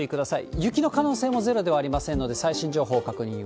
雪の可能性もゼロではありませんので、最新情報確認を。